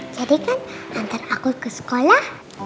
jadi kan antar aku ke sekolah